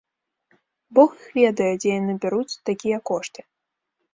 Бог іх ведае, дзе яны бяруць такія кошты.